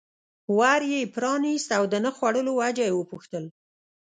ور یې پرانست او د نه خوړلو وجه یې وپوښتل.